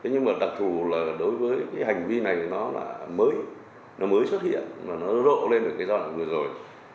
nhưng mà đặc thù là đối với cái hành vi này nó là mới nó mới xuất hiện nó rộ lên ở cái giao dịch vừa rồi